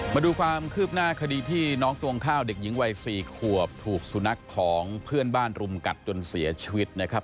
มาดูความคืบหน้าคดีที่น้องตวงข้าวเด็กหญิงวัย๔ขวบถูกสุนัขของเพื่อนบ้านรุมกัดจนเสียชีวิตนะครับ